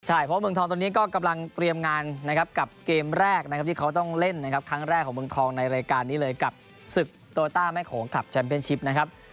ใช่เพราะว่าเมืองทองตอนนี้ก็กำลังเตรียมงานนะครับกับเกมแรกนะครับที่เขาต้องเล่นนะครับครั้งแรกของเมืองทองในรายการนี้เลยกับศึกโตต้าแม่โขงคลับแชมเป็นชิปนะครับ